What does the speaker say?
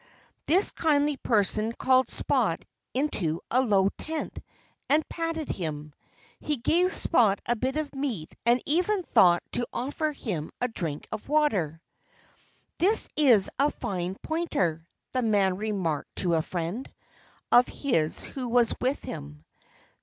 This kindly person called Spot into a low tent and patted him. He gave Spot a bit of meat and even thought to offer him a drink of water. "This is a fine pointer," the man remarked to a friend of his who was with him.